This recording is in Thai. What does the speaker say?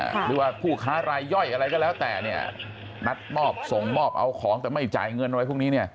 หรือว่าผู้ค้ารายย่อยอะไรก็แล้วแต่เนี่ยนัดมอบส่งมอบเอาของแต่ไม่จ่ายเงินอะไรพวกนี้เนี่ย